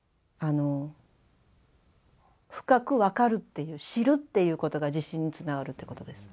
深く分かるっていう知るっていうことが自信につながるってことです。